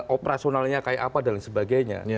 operasionalnya kayak apa dan sebagainya